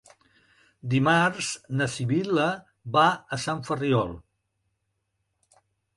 Dimarts na Sibil·la va a Sant Ferriol.